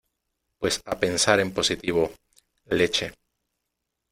pues a pensar en positivo . leche .